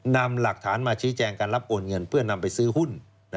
นำหลักฐานมาชี้แจงการรับโอนเงินเพื่อนำไปซื้อหุ้น